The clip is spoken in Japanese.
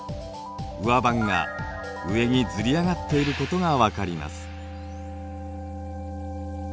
上盤が上にずり上がっていることが分かります。